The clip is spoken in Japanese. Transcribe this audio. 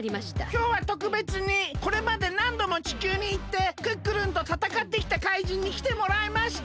きょうはとくべつにこれまでなんども地球にいってクックルンとたたかってきた怪人にきてもらいました。